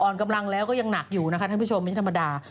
อ่อนกำลังแล้วก็ยังหนักอยู่นะคะท่านผู้ชมไม่ใช่ธรรมดา